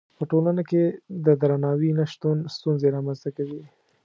په ټولنه کې د درناوي نه شتون ستونزې رامنځته کوي.